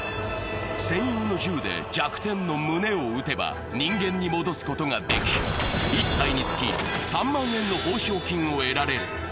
専用の銃で弱点の胸を撃てば人間に戻すことができ、１体につき３万円の報奨金を得られる。